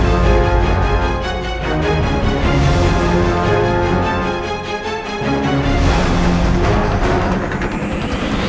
saya akan mencari